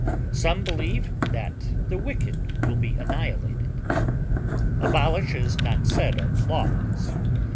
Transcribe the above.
Some believe that the wicked will be annihilated. Abolish is not said of laws.